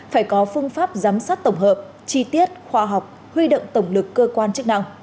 phải có phương pháp giám sát tổng hợp chi tiết khoa học huy động tổng lực cơ quan chức năng